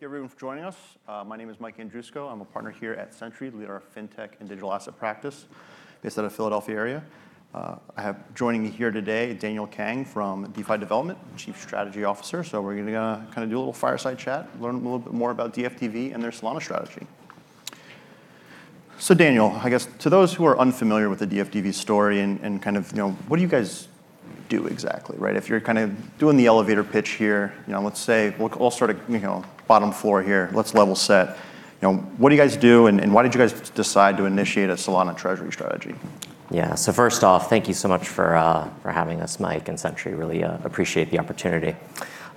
Thank you, everyone, for joining us. My name is Mike Andrusko. I'm a Partner here at Centri, Leader of Fintech and Digital Asset Practice based out of Philadelphia area. I have joining me here today Daniel Kang from DeFi Development, Chief Strategy Officer. We're going to kind of do a little fireside chat, learn a little bit more about DFDV and their Solana strategy. Daniel, I guess to those who are unfamiliar with the DFDV story and what do you guys do exactly, right? If you're kind of doing the elevator pitch here, let's say we'll all sort of bottom floor here, let's level set. What do you guys do, and why did you guys decide to initiate a Solana treasury strategy? Yeah. First off, thank you so much for having us, Mike and Centri. We really appreciate the opportunity.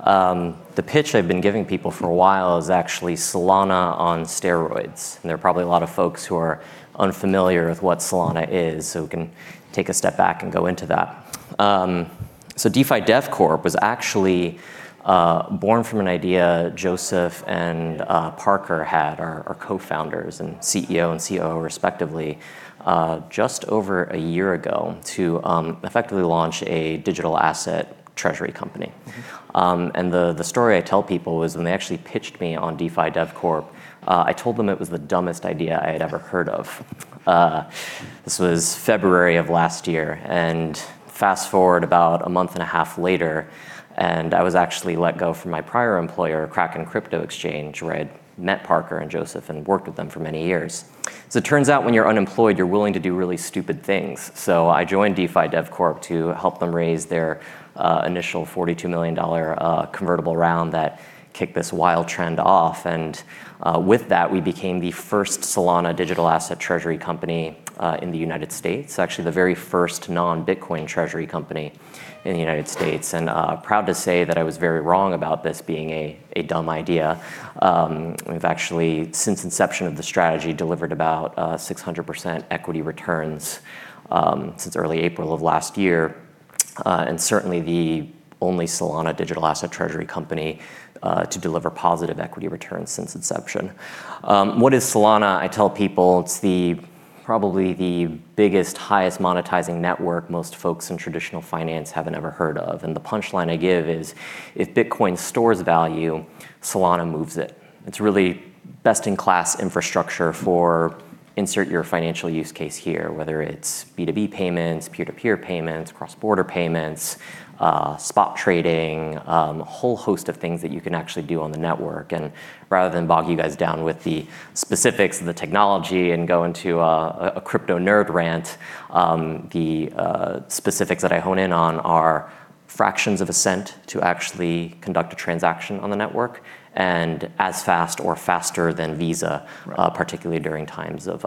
The pitch I've been giving people for a while is actually Solana on steroids, and there are probably a lot of folks who are unfamiliar with what Solana is, so we can take a step back and go into that. DeFi Dev Corp was actually born from an idea Joseph and Parker had, our Co-Founders and CEO and COO respectively, just over a year ago, to effectively launch a digital asset treasury company. The story I tell people was when they actually pitched me on DeFi Dev Corp, I told them it was the dumbest idea I had ever heard of. This was February of last year. And fast-forward about a month and a half later, and I was actually let go from my prior employer, Kraken Crypto Exchange, where I'd met Parker and Joseph and worked with them for many years. So it turns out, when you're unemployed, you're willing to do really stupid things. So I joined DeFi Dev Corp to help them raise their initial $42 million convertible round that kicked this wild trend off. And with that, we became the first Solana digital asset treasury company in the United States. Actually, the very first non-Bitcoin treasury company in the United States. And proud to say that I was very wrong about this being a dumb idea. We've actually, since inception of the strategy, delivered about 600% equity returns since early April of last year. And certainly the only Solana digital asset treasury company to deliver positive equity returns since inception. What is Solana? I tell people it's probably the biggest, highest monetizing network most folks in traditional finance haven't ever heard of. The punchline I give is, if Bitcoin stores value, Solana moves it. It's really best-in-class infrastructure for insert your financial use case here, whether it's B2B payments, peer-to-peer payments, cross-border payments, spot trading, a whole host of things that you can actually do on the network. Rather than bog you guys down with the specifics of the technology and go into a crypto nerd rant, the specifics that I hone in on are fractions of a cent to actually conduct a transaction on the network, and as fast or faster than Visa. Right Particularly during times of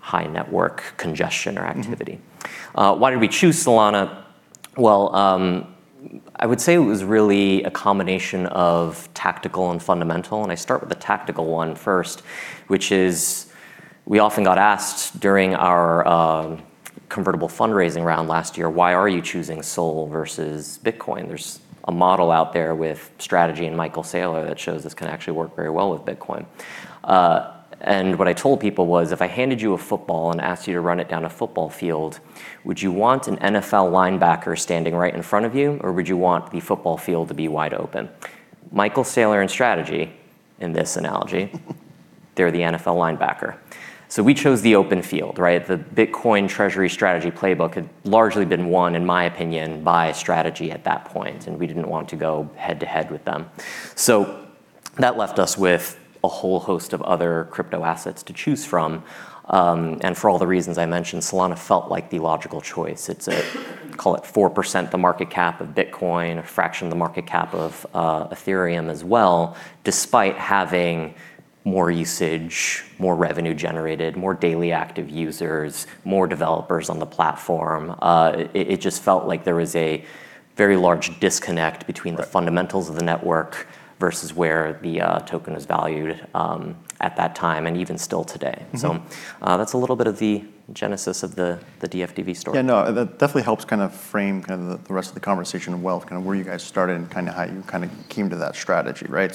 high network congestion or activity. Why did we choose Solana? Well, I would say it was really a combination of tactical and fundamental, and I start with the tactical one first, which is we often got asked during our convertible fundraising round last year, "Why are you choosing SOL versus Bitcoin?" There's a model out there with Strategy and Michael Saylor that shows this can actually work very well with Bitcoin. What I told people was, "If I handed you a football and asked you to run it down a football field, would you want an NFL linebacker standing right in front of you, or would you want the football field to be wide open?" Michael Saylor and Strategy, in this analogy, they're the NFL linebacker. We chose the open field, right? The Bitcoin treasury strategy playbook had largely been won, in my opinion, by Strategy at that point, and we didn't want to go head-to-head with them. That left us with a whole host of other crypto assets to choose from. For all the reasons I mentioned, Solana felt like the logical choice. It's, call it 4%, the market cap of Bitcoin, a fraction of the market cap of Ethereum as well. Despite having more usage, more revenue generated, more daily active users, more developers on the platform, it just felt like there was a very large disconnect between the fundamentals of the network versus where the token was valued at that time and even still today. Mm-hmm. That's a little bit of the genesis of the DFDV story. Yeah, no, that definitely helps kind of frame the rest of the conversation well, kind of where you guys started and kind of how you kind of came to that strategy, right?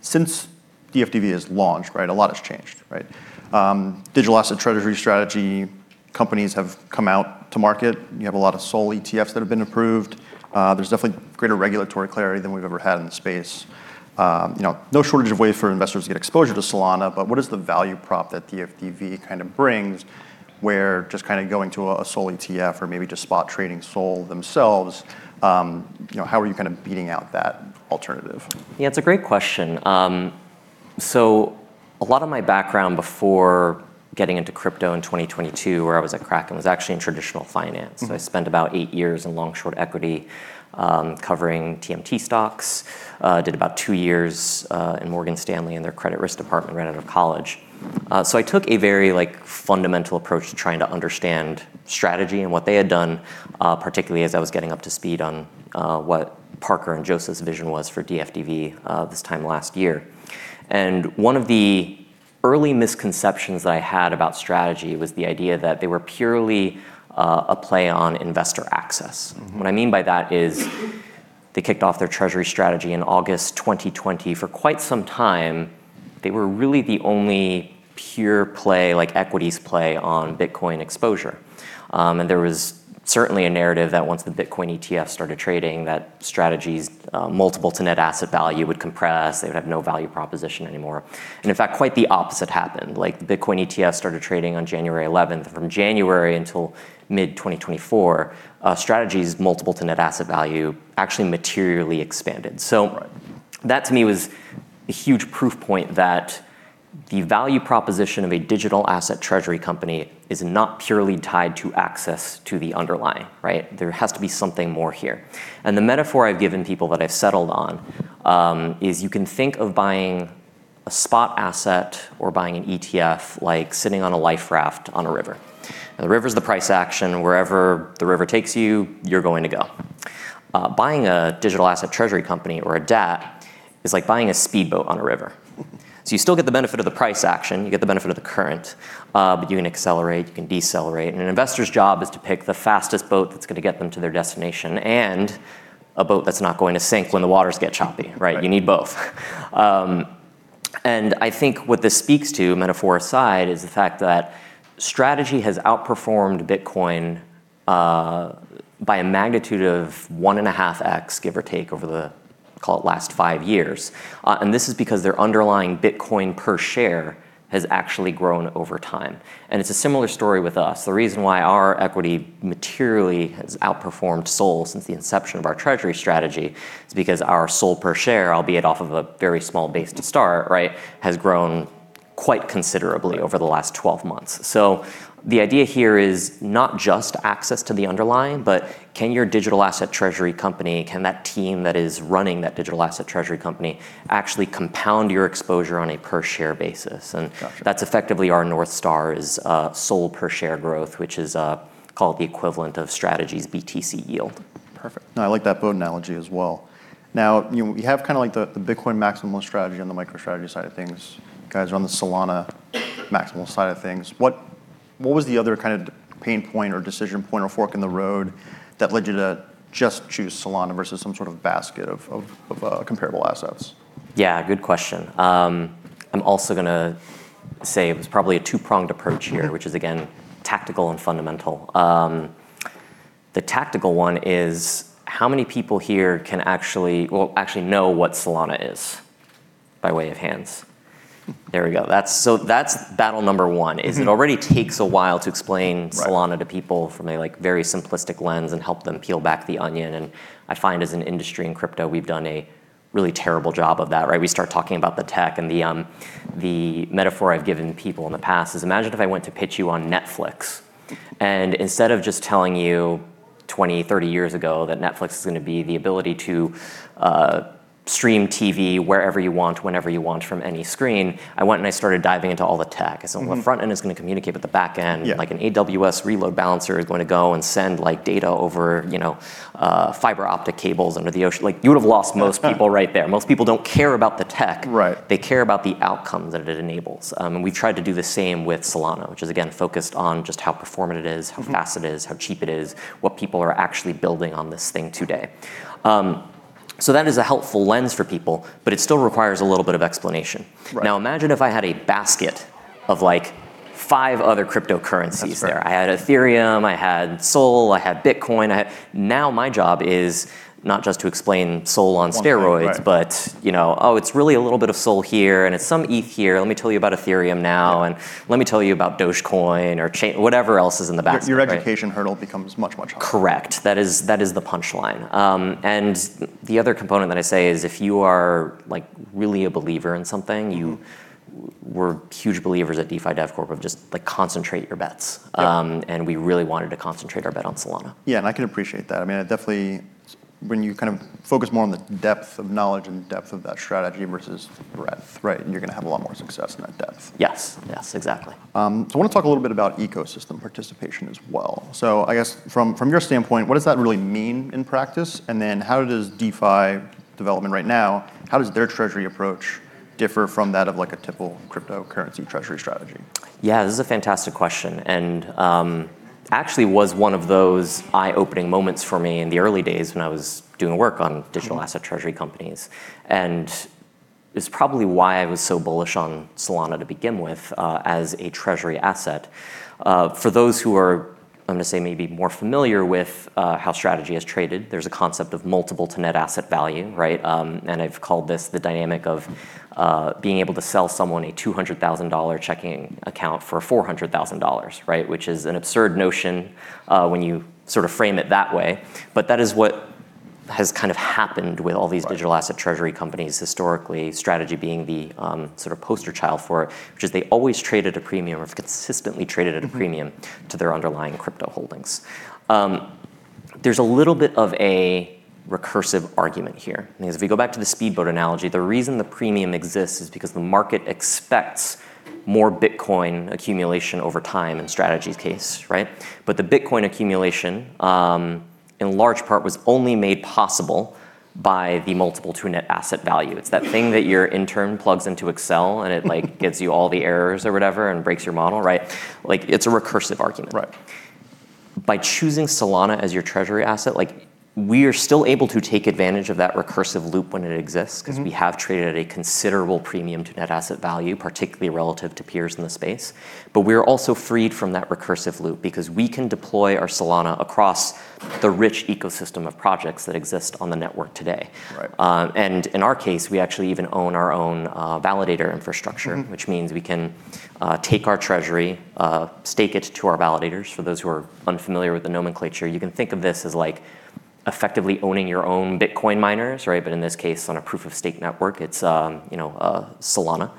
Since DFDV has launched, right, a lot has changed, right? Digital Asset Treasury strategy companies have come out to market. You have a lot of Solana ETFs that have been approved. There's definitely greater regulatory clarity than we've ever had in the space. No shortage of ways for investors to get exposure to Solana, but what is the value prop that DFDV kind of brings where just kind of going to a SOL ETF or maybe just spot trading SOL themselves, how are you kind of beating out that alternative? Yeah, it's a great question. A lot of my background before getting into crypto in 2022, where I was at Kraken, was actually in traditional finance. Mm-hmm. I spent about eight years in long-short equity, covering TMT stocks. I did about two years in Morgan Stanley in their credit risk department right out of college. I took a very fundamental approach to trying to understand Strategy and what they had done, particularly as I was getting up to speed on what Parker and Joseph's vision was for DFDV this time last year. One of the early misconceptions that I had about Strategy was the idea that they were purely a play on investor access. Mm-hmm. What I mean by that is they kicked off their treasury strategy in August 2020. For quite some time, they were really the only pure play, like equities play on Bitcoin exposure. There was certainly a narrative that once the Bitcoin ETF started trading, that Strategy's multiple to net asset value would compress, they would have no value proposition anymore. In fact, quite the opposite happened, like the Bitcoin ETF started trading on January 11th. From January until mid-2024, Strategy's multiple to net asset value actually materially expanded. That to me was a huge proof point that the value proposition of a digital asset treasury company is not purely tied to access to the underlying, right? There has to be something more here. The metaphor I've given people that I've settled on is you can think of buying a spot asset or buying an ETF like sitting on a life raft on a river. Now the river's the price action. Wherever the river takes you're going to go. Buying a Digital Asset Treasury company or a DAT is like buying a speedboat on a river. You still get the benefit of the price action, you get the benefit of the current, but you can accelerate, you can decelerate, and an investor's job is to pick the fastest boat that's going to get them to their destination, and a boat that's not going to sink when the waters get choppy, right? Right. You need both. I think what this speaks to, metaphor aside, is the fact that Strategy has outperformed Bitcoin, by a magnitude of 1.5x, give or take, over the call it last five years. This is because their underlying Bitcoin per share has actually grown over time. It's a similar story with us. The reason why our equity materially has outperformed SOL since the inception of our treasury strategy is because our SOL per share, albeit off of a very small base to start, right, has grown quite considerably over the last 12 months. The idea here is not just access to the underlying, but can that team that is running that digital asset treasury company actually compound your exposure on a per share basis? Gotcha That's effectively our North Star is SOL per share growth, which is called the equivalent of Strategy's BTC yield. Perfect. No, I like that boat analogy as well. Now, you have kind of the Bitcoin maximalist strategy on the MicroStrategy side of things. You guys are on the Solana maximal side of things. What was the other kind of pain point or decision point or fork in the road that led you to just choose Solana versus some sort of basket of comparable assets? Yeah, good question. I'm also going to say it was probably a two-pronged approach here. Mm-hmm Which is again, tactical and fundamental. The tactical one is, how many people here can actually know what Solana is, by way of hands? There we go. That's battle number one. Mm-hmm It already takes a while to explain Solana. Right To people from a very simplistic lens and help them peel back the onion. I find as an industry in crypto, we've done a really terrible job of that, right? We start talking about the tech. The metaphor I've given people in the past is imagine if I went to pitch you on Netflix. Instead of just telling you 20, 30 years ago that Netflix is going to be the ability to stream TV wherever you want, whenever you want from any screen, I went and I started diving into all the tech. Mm-hmm. I said, "Well, the front end is going to communicate with the back end. Yeah. Like an AWS reload balancer is going to go and send data over fiber optic cables under the ocean. Like you would've lost most people right there. Most people don't care about the tech. Right. They care about the outcomes that it enables. We tried to do the same with Solana, which is again, focused on just how performant it is. Mm-hmm How fast it is, how cheap it is, what people are actually building on this thing today. That is a helpful lens for people, but it still requires a little bit of explanation. Right. Now imagine if I had a basket of five other cryptocurrencies there. That's fair. I had Ethereum, I had SOL, I had Bitcoin. Now my job is not just to explain SOL on steroids. One thing, right. Oh, it's really a little bit of SOL here and it's some ETH here. Let me tell you about Ethereum now, and let me tell you about Dogecoin or whatever else is in the basket, right? Your education hurdle becomes much, much harder. Correct. That is the punchline. The other component that I say is if you are really a believer in something. Mm-hmm We're huge believers at DeFi Dev Corp of just concentrate your bets. Yeah. We really wanted to concentrate our bet on Solana. Yeah, I can appreciate that. When you kind of focus more on the depth of knowledge and depth of that strategy versus breadth, right, you're going to have a lot more success in that depth. Yes. Exactly. I want to talk a little bit about ecosystem participation as well. I guess from your standpoint, what does that really mean in practice? DeFi Development right now, how does their treasury approach differ from that of a typical cryptocurrency treasury strategy? Yeah. This is a fantastic question, and actually was one of those eye-opening moments for me in the early days when I was doing work on digital asset treasury companies, and is probably why I was so bullish on Solana to begin with, as a treasury asset. For those who are, I'm going to say, maybe more familiar with how Strategy has traded, there's a concept of multiple to net asset value, right? I've called this the dynamic of being able to sell someone a $200,000 checking account for $400,000, right, which is an absurd notion when you sort of frame it that way, but that is what has kind of happened with all these. Right Digital asset treasury companies historically, Strategy being the sort of poster child for it, which is they always traded a premium or have consistently traded at a premium. Mm-hmm To their underlying crypto holdings. There's a little bit of a recursive argument here. If we go back to the speedboat analogy, the reason the premium exists is because the market expects more Bitcoin accumulation over time in Strategy's case, right? The Bitcoin accumulation, in large part, was only made possible by the multiple to net asset value. It's that thing that your intern plugs into Excel and it gives you all the errors or whatever and breaks your model, right? It's a recursive argument. Right. By choosing Solana as your treasury asset, we are still able to take advantage of that recursive loop when it exists. Mm-hmm Because we have traded at a considerable premium to net asset value, particularly relative to peers in the space, we are also freed from that recursive loop because we can deploy our Solana across the rich ecosystem of projects that exist on the network today. Right. In our case, we actually even own our own validator infrastructure. Mm-hmm. Which means we can take our treasury, stake it to our validators. For those who are unfamiliar with the nomenclature, you can think of this as effectively owning your own Bitcoin miners, right? In this case, on a proof of stake network, it's Solana.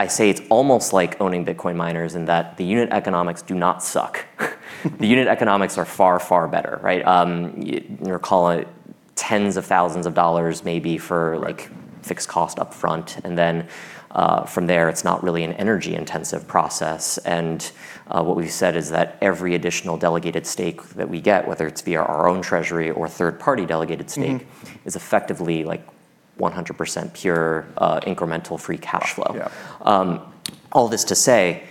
I say it's almost like owning Bitcoin miners in that the unit economics do not suck. The unit economics are far, far better, right? Call it tens of thousands of dollars maybe. Right Fixed cost up front, and then from there it's not really an energy-intensive process. What we've said is that every additional delegated stake that we get, whether it's via our own treasury or third-party delegated stake. Mm-hmm Is effectively 100% pure incremental free cash flow. Yeah. All this to say,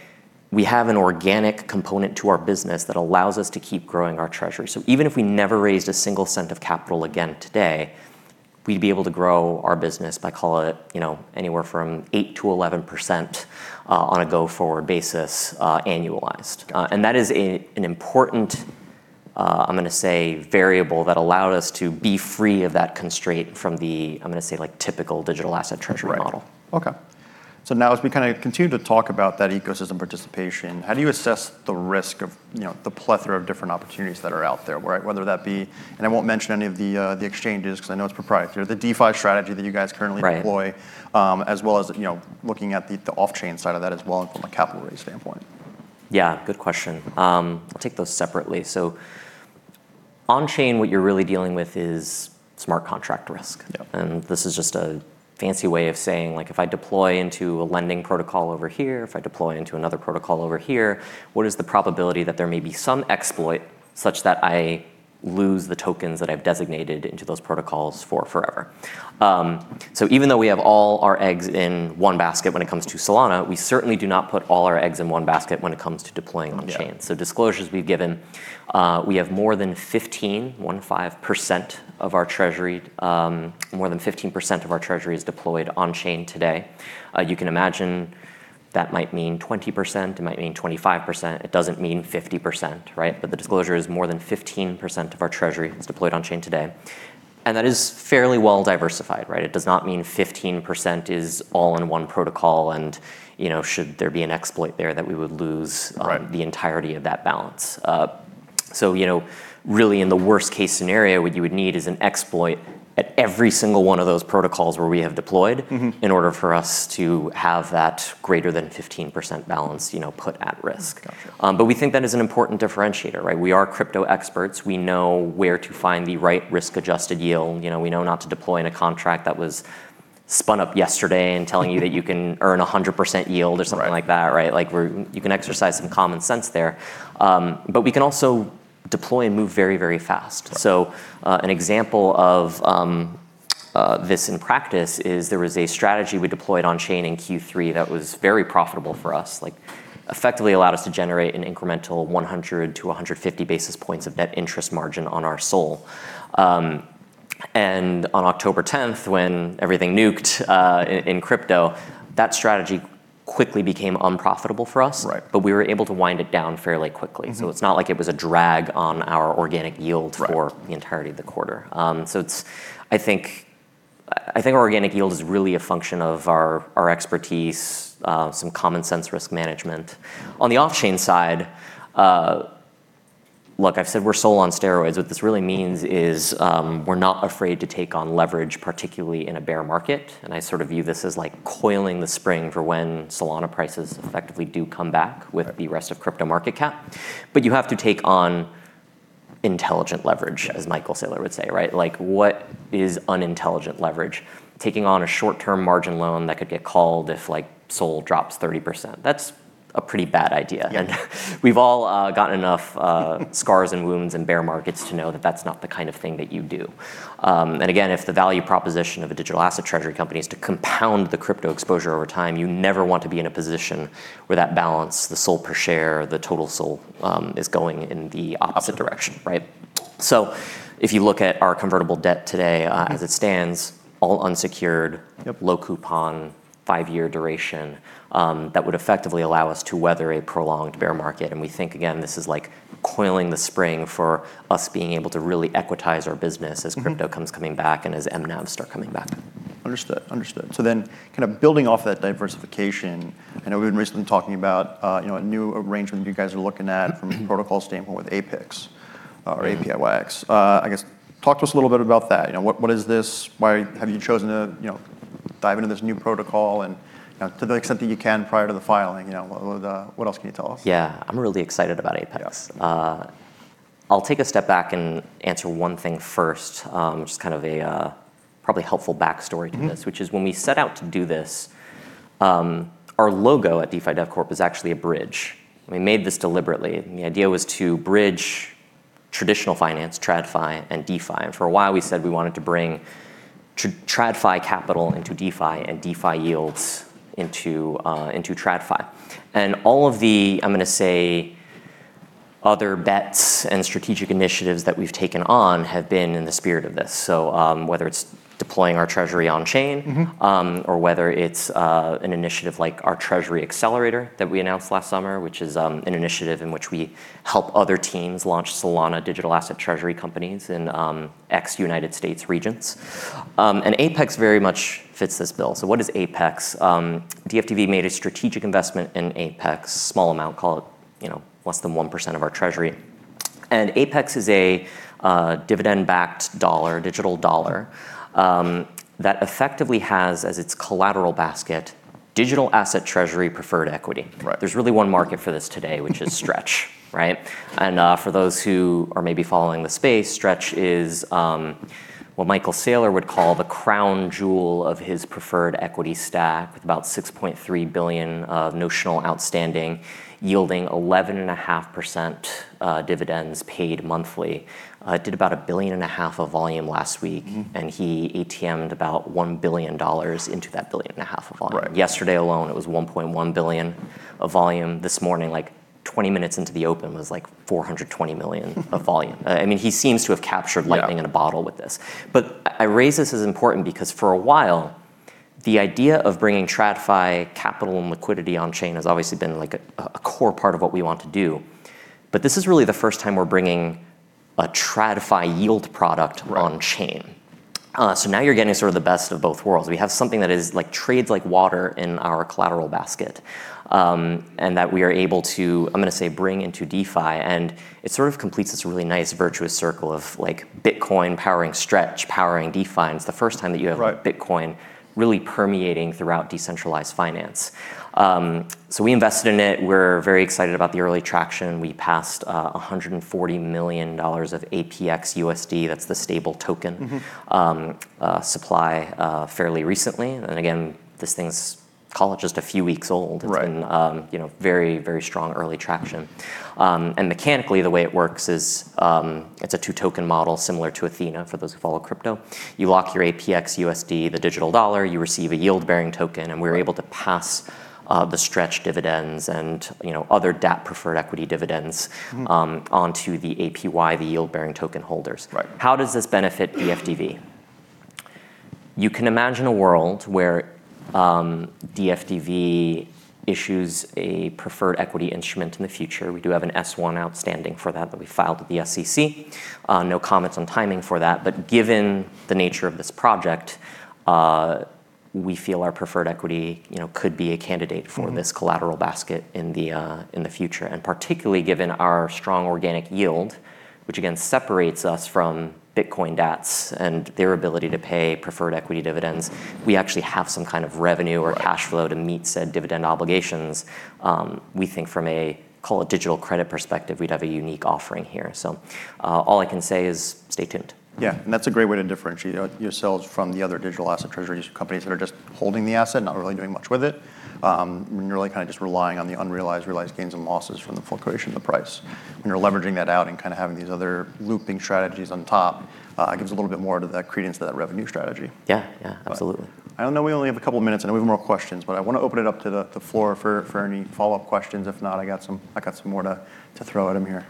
we have an organic component to our business that allows us to keep growing our treasury. Even if we never raised a single cent of capital again today, we'd be able to grow our business by, call it, anywhere from 8%-11% on a go-forward basis annualized. That is an important, I'm going to say, variable that allowed us to be free of that constraint from the, I'm going to say, typical digital asset treasury model. Right. Okay. Now as we kind of continue to talk about that ecosystem participation, how do you assess the risk of the plethora of different opportunities that are out there, whether that be, and I won't mention any of the exchanges because I know it's proprietary, the DeFi strategy that you guys currently deploy? Right As well as looking at the off-chain side of that as well and from a capital raise standpoint. Yeah. Good question. I'll take those separately. On-chain, what you're really dealing with is smart contract risk. Yep. This is just a fancy way of saying, if I deploy into a lending protocol over here, if I deploy into another protocol over here, what is the probability that there may be some exploit such that I lose the tokens that I've designated into those protocols for forever? Even though we have all our eggs in one basket when it comes to Solana, we certainly do not put all our eggs in one basket when it comes to deploying on-chain. Yeah. Disclosures we've given, more than 15% of our treasury is deployed on-chain today. You can imagine that might mean 20%, it might mean 25%. It doesn't mean 50%, right? The disclosure is more than 15% of our treasury is deployed on-chain today, and that is fairly well diversified, right? It does not mean 15% is all in one protocol and, should there be an exploit there, that we would lose. Right The entirety of that balance. Really in the worst case scenario, what you would need is an exploit at every single one of those protocols where we have deployed. Mm-hmm In order for us to have that greater than 15% balance put at risk. Got you. We think that is an important differentiator, right? We are crypto experts. We know where to find the right risk-adjusted yield. We know not to deploy in a contract that was spun up yesterday and telling you that you can earn 100% yield or something like that, right? Right. You can exercise some common sense there. We can also deploy and move very, very fast. Right. An example of this in practice is there was a strategy we deployed on-chain in Q3 that was very profitable for us. It effectively allowed us to generate an incremental 100-150 basis points of net interest margin on our SOL. On October 10th, when everything nuked in crypto, that strategy quickly became unprofitable for us. Right. We were able to wind it down fairly quickly. Mm-hmm. It's not like it was a drag on our organic yield. Right For the entirety of the quarter. I think organic yield is really a function of our expertise, some common-sense risk management. On the off-chain side, look, I've said we're SOL on steroids. What this really means is we're not afraid to take on leverage, particularly in a bear market, and I sort of view this as coiling the spring for when Solana prices effectively do come back. Right The rest of crypto market cap. You have to take on intelligent leverage, as Michael Saylor would say. Right? What is unintelligent leverage? Taking on a short-term margin loan that could get called if SOL drops 30%. That's a pretty bad idea. Yeah. We've all gotten enough scars and wounds in bear markets to know that that's not the kind of thing that you do. Again, if the value proposition of a digital asset treasury company is to compound the crypto exposure over time, you never want to be in a position where that balance, the SOL per share, the total SOL, is going in the opposite direction, right? Opposite. If you look at our convertible debt today. Mm-hmm As it stands, all unsecured. Yep Low coupon, five-year duration, that would effectively allow us to weather a prolonged bear market. We think, again, this is like coiling the spring for us being able to really equitize our business as crypto. Mm-hmm Coming back and as mNAV start coming back. Understood. Kind of building off that diversification, I know we've been recently talking about a new arrangement you guys are looking at from a protocol standpoint with Apyx. I guess, talk to us a little bit about that. What is this? Why have you chosen to dive into this new protocol? To the extent that you can prior to the filing, what else can you tell us? Yeah. I'm really excited about Apyx. Yeah. I'll take a step back and answer one thing first, which is kind of a probably helpful backstory to this. Mm-hmm. Which is when we set out to do this, our logo at DeFi Dev Corp was actually a bridge, and we made this deliberately. The idea was to bridge traditional finance, TradFi, and DeFi. For a while, we said we wanted to bring TradFi capital into DeFi, and DeFi yields into TradFi. All of the, I'm going to say, other bets and strategic initiatives that we've taken on have been in the spirit of this, whether it's deploying our treasury on-chain. Mm-hmm Whether it's an initiative like our Treasury Accelerator that we announced last summer, which is an initiative in which we help other teams launch Solana digital asset treasury companies in ex-United States regions. Apyx very much fits this bill. What is Apyx? DFDV made a strategic investment in Apyx, small amount, call it less than 1% of our treasury. Apyx is a dividend-backed dollar, digital dollar, that effectively has, as its collateral basket, digital asset treasury preferred equity. Right. There's really one market for this today, which is STRK. Right? For those who are maybe following the space, STRK is what Michael Saylor would call the crown jewel of his preferred equity stack, with about $6.3 billion of notional outstanding, yielding 11.5% dividends paid monthly. Did about a billion and a half of volume last week. Mm-hmm. He ATM'd about $1 billion into that billion and a half of volume. Right. Yesterday alone, it was $1.1 billion of volume. This morning, 20 minutes into the open, was like $420 million of volume. He seems to have captured lightning in a bottle with this. I raise this as important because for a while, the idea of bringing TradFi capital and liquidity on-chain has obviously been a core part of what we want to do. This is really the first time we're bringing a TradFi yield product on-chain. Right. Now you're getting sort of the best of both worlds. We have something that trades like water in our collateral basket, and that we are able to, I'm going to say, bring into DeFi, and it sort of completes this really nice virtuous circle of Bitcoin powering STRK powering DeFi. Right Bitcoin really permeating throughout Decentralized Finance. We invested in it. We're very excited about the early traction. We passed $140 million of apxUSD, that's the stable token. Mm-hmm Supply fairly recently. Again, this thing's, call it just a few weeks old. Right. It's been very strong early traction. And mechanically, the way it works is, it's a two-token model similar to Athena, for those who follow crypto. You lock your apxUSD, the digital dollar, you receive a yield-bearing token, and we're able to pass the STRK dividends and other DAP preferred equity dividends onto the APY, the yield-bearing token holders. Right. How does this benefit DFDV? You can imagine a world where DFDV issues a preferred equity instrument in the future. We do have an S1 outstanding for that we filed with the SEC. No comments on timing for that, but given the nature of this project, we feel our preferred equity could be a candidate for this collateral basket in the future. Particularly given our strong organic yield, which again separates us from Bitcoin DATs and their ability to pay preferred equity dividends, we actually have some kind of revenue or cash flow to meet said dividend obligations. We think from a, call it digital credit perspective, we'd have a unique offering here. All I can say is stay tuned. Yeah. That's a great way to differentiate yourselves from the other Digital Asset Treasury companies that are just holding the asset, not really doing much with it. When you're really kind of just relying on the unrealized, realized gains and losses from the fluctuation of the price, when you're leveraging that out and kind of having these other looping strategies on top, it gives a little bit more credence to that revenue strategy. Yeah. Absolutely. I know we only have a couple of minutes, and I know we have more questions, but I want to open it up to the floor for any follow-up questions. If not, I got some more to throw at him here.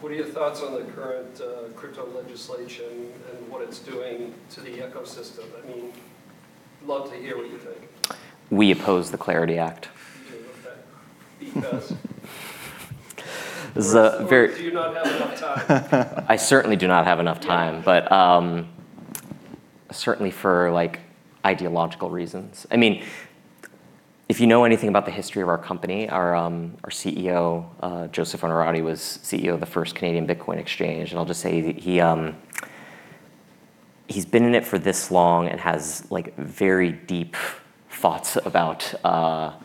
What are your thoughts on the current crypto legislation and what it's doing to the ecosystem? I'd love to hear what you think. We oppose the Clarity Act. You do? Okay. Because? This is a very. Do you not have enough time? I certainly do not have enough time. Yeah. Certainly for ideological reasons, if you know anything about the history of our company, our CEO, Joseph Onorati, was CEO of the first Canadian Bitcoin exchange. I'll just say he's been in it for this long and has very deep thoughts about, I'm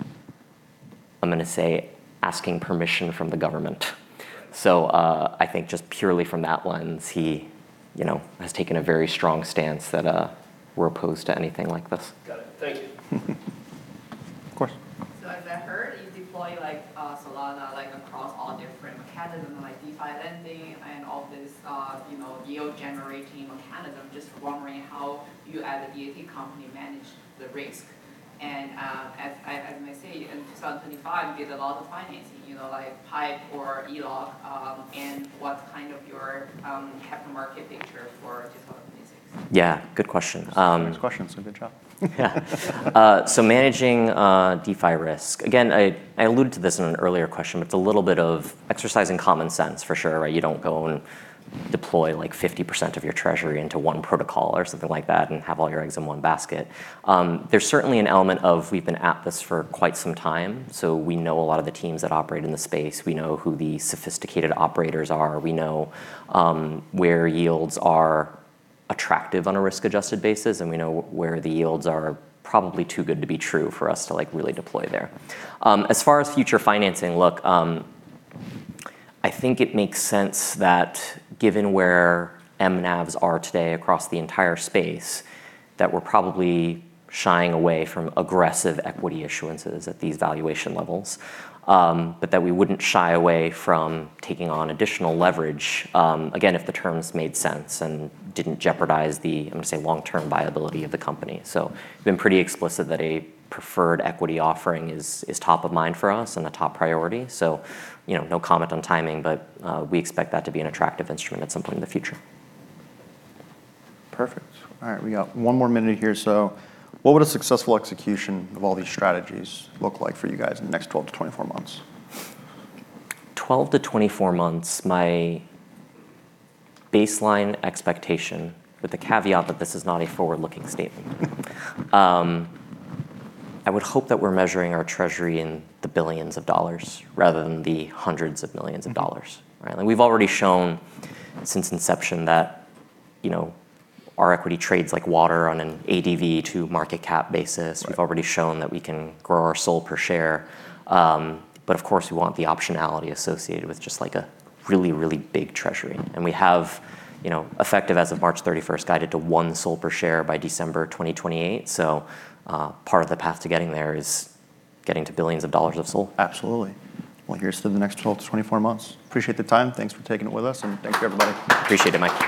going to say, asking permission from the government. I think just purely from that lens, he has taken a very strong stance that we're opposed to anything like this. Got it. Thank you. Of course. As I heard, you deploy Solana across all different mechanisms like DeFi lending and all this yield-generating mechanism. Just wondering how you as a DAT company manage the risk. As I may say, in 2025, we have a lot of financing, like PIPE or ELOC, and what's kind of your capital market picture for 2026? Yeah. Good question. Those are good questions. Good job. Managing DeFi risk. Again, I alluded to this in an earlier question, but it's a little bit of exercising common sense for sure. You don't go and deploy 50% of your treasury into one protocol or something like that and have all your eggs in one basket. There's certainly an element of we've been at this for quite some time, so we know a lot of the teams that operate in the space. We know who the sophisticated operators are. We know where yields are attractive on a risk-adjusted basis, and we know where the yields are probably too good to be true for us to really deploy there. As far as future financing, look, I think it makes sense that given where mNAVs are today across the entire space, that we're probably shying away from aggressive equity issuances at these valuation levels. That we wouldn't shy away from taking on additional leverage, again, if the terms made sense and didn't jeopardize the, I'm going to say, long-term viability of the company. We've been pretty explicit that a preferred equity offering is top of mind for us and a top priority. No comment on timing, but we expect that to be an attractive instrument at some point in the future. Perfect. All right. We got one more minute here. What would a successful execution of all these strategies look like for you guys in the next 12 months-24 months? 12-24 months, my baseline expectation, with the caveat that this is not a forward-looking statement, I would hope that we're measuring our treasury in the billions of dollars rather than the hundreds of millions of dollars. Right? We've already shown since inception that our equity trades like water on an ADV to market cap basis. Right. We've already shown that we can grow our SOL per share. Of course, we want the optionality associated with just a really big treasury. We have, effective as of March 31st, guided to one SOL per share by December 2028. Part of the path to getting there is getting to billions of dollars of SOL. Absolutely. Well, here's to the next 12 to 24 months. Appreciate the time. Thanks for taking it with us. And thank you, everybody. appreciate it, Mike.